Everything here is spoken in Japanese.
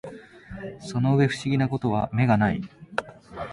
その上不思議な事は眼がない